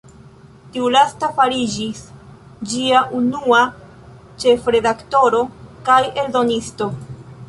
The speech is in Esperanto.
Tiu lasta fariĝis ĝia unua ĉefredaktoro kaj eldonisto.